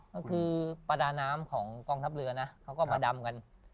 ก็คือประดาน้ำของกองทัพเรือนะเขาก็มาดำกัน